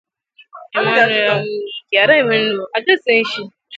Emmanuel Amunike